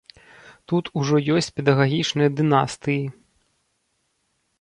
Тут ужо ёсць педагагічныя дынастыі.